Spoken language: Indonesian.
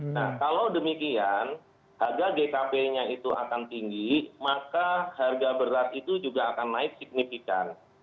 nah kalau demikian harga gkp nya itu akan tinggi maka harga berat itu juga akan naik signifikan